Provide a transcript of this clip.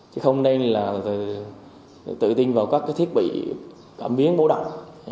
chứ không nên là tự tin vào các cái thiết bị cảm biến bố động